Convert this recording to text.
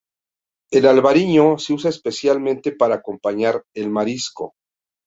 El albariño se usa especialmente para acompañar el marisco.